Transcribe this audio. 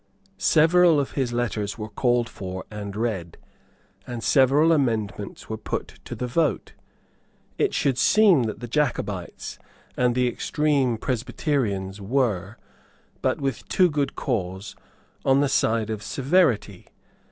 Several of his letters were called for and read; and several amendments were put to the vote. It should seem that the Jacobites and the extreme Presbyterians were, with but too good cause, on the side of severity.